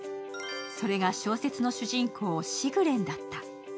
それが小説の主人公、シグレンだった。